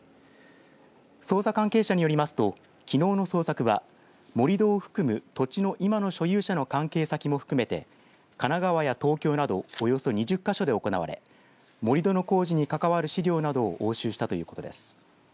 捜査関係者によりますときのうの捜索は盛り土を含む、土地の今の所有者の関係先も含めて神奈川や東京などおよそ２０か所で行われ盛り土の工事に関わる資料などを押収したということです。